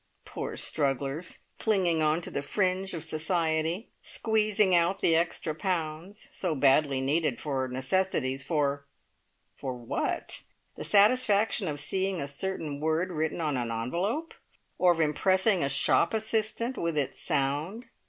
Poor strugglers, clinging on to the fringe of society, squeezing out the extra pounds so badly needed for necessities, for what? The satisfaction of seeing a certain word written on an envelope, or of impressing a shop assistant with its sound.